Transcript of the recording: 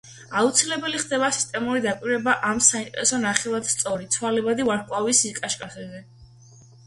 აუცილებელი ხდება სისტემური დაკვირვება ამ საინტერესო ნახევრად სწორი, ცვალებადი ვარსკვლავის სიკაშკაშეზე.